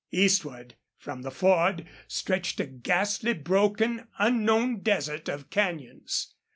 Eastward from the Ford stretched a ghastly, broken, unknown desert of canyons.